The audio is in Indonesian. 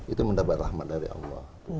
itu mendapat rahmat dari allah